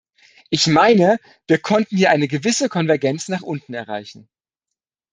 Ich meine, wir konnten hier eine gewisse Konvergenz nach unten erreichen.